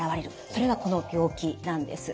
それがこの病気なんです。